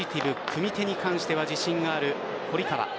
組み手に関しては自信がある堀川。